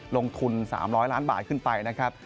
ลงทุน๓๐๐ล้านบาทขึ้นไปนะครับ